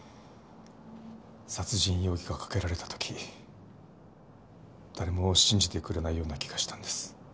殺人容疑がかけられた時誰も信じてくれないような気がしたんです。